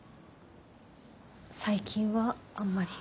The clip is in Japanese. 最近はあんまり。